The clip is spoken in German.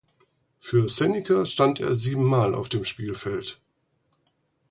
Für Senica stand er siebenmal auf dem Spielfeld.